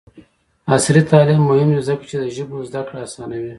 عصري تعلیم مهم دی ځکه چې د ژبو زدکړه اسانوي.